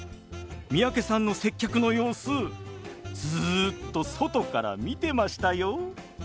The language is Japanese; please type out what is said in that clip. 三宅さんの接客の様子ずっと外から見てましたよ。